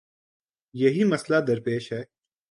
یہی مسئلہ درپیش ہے۔